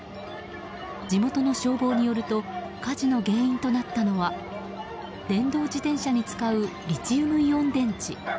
地元の消防によると火事の原因となったのは電動自転車に使うリチウムイオン電池。